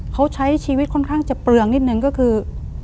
เขาใช้ชีวิตค่อนข้างจะเปลืองนิดนึงก็คือ